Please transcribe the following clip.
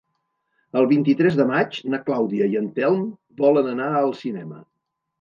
El vint-i-tres de maig na Clàudia i en Telm volen anar al cinema.